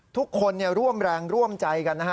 ทุกคนร่วมแรงร่วมใจกันนะฮะ